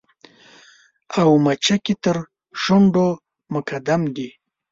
او مچکې تر شونډو مقدم دې